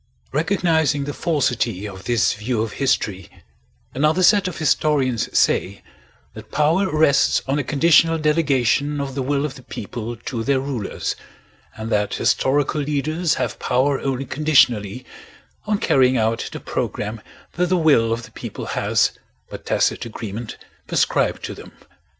Recognizing the falsity of this view of history, another set of historians say that power rests on a conditional delegation of the will of the people to their rulers, and that historical leaders have power only conditionally on carrying out the program that the will of the people has by tacit agreement prescribed to them.